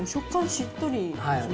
しっとりですね。